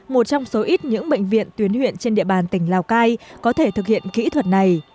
một trong số ít những bệnh viện tuyến huyện trên địa bàn tỉnh lào cai có thể thực hiện kỹ thuật này